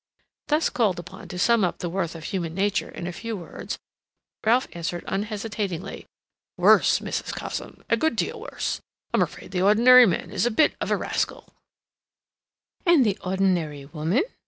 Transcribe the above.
Thus called upon to sum up the worth of human nature in a few words, Ralph answered unhesitatingly: "Worse, Mrs. Cosham, a good deal worse. I'm afraid the ordinary man is a bit of a rascal—" "And the ordinary woman?"